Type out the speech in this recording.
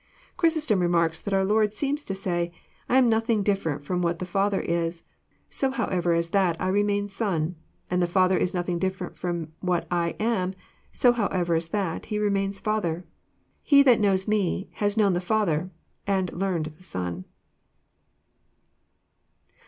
Chrysostom remarks, that our Lord seems to say, "I am nothing different flrom what the Father is, so however as that I remain Son; and the Father is nothing diiferent from what I am, so however as that He remains Father. He that knows Me has known the Father, and learned the Son."